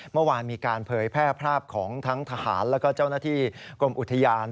เมื่อวานมีการเผยแพร่ภาพของทั้งทหารแล้วก็เจ้าหน้าที่กรมอุทยาน